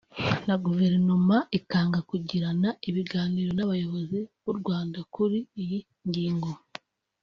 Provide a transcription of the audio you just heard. na Guverinoma ikanga kugirana ibiganiro n’abayobozi b’u Rwanda kuri iyi ngingo